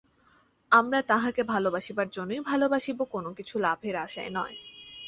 আমরা তাঁহাকে ভালবাসিবার জন্যই ভালবাসিব, কোন কিছু লাভের আশায় নয়।